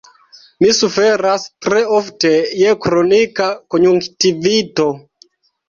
Mi suferas tre ofte je kronika konjunktivito.